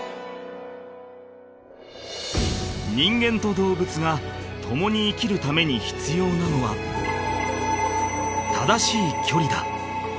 ［人間と動物が共に生きるために必要なのは正しい距離だ］